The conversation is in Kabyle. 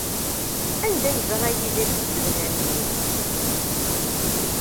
Anda ay yeẓra Yidir tisednan-nni?